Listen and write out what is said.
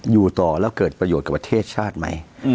อยู่ต่อแล้วเกิดประโยชน์กับประเทศชาติไหม